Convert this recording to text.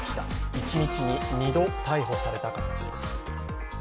一日に２度、逮捕された形です。